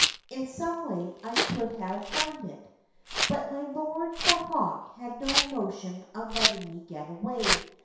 In some way I could have found it. But my lord the hawk had no notion of let ting me get away.